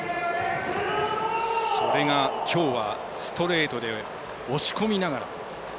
それがきょうはストレートで押し込みながら。